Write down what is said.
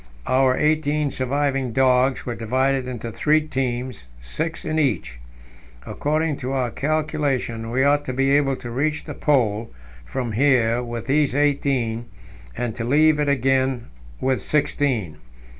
Our eighteen surviving dogs were divided into three teams, six in each. According to our calculation, we ought to be able to reach the Pole from here with these eighteen, and to leave it again with sixteen.